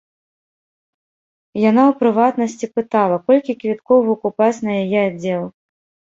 Яна, у прыватнасці, пытала, колькі квіткоў выкупаць на яе аддзел.